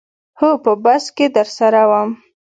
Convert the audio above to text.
هو په بس کې درسره وم.